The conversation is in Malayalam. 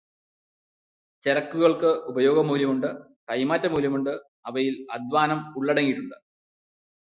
ചരക്കുകൾക്ക് ഉപയോഗമൂല്യമുണ്ട്, കൈമാറ്റമൂല്യമുണ്ട്, അവയിൽ അദ്ധ്വാനം ഉള്ളടങ്ങിയിട്ടുണ്ട്.